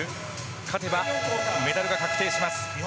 勝てばメダルが確定します。